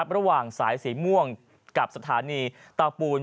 ระหว่างสายสีม่วงกับสถานีเตาปูน